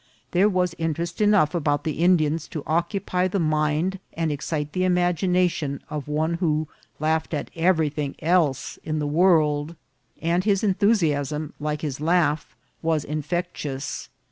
There was in terest enough about the Indians to occupy the mind and excite the imagination of one who laughed at ev erything else in the world ; and his enthusiasm, like his laugh, was infectious.